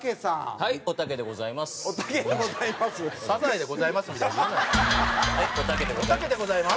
はいおたけでございます。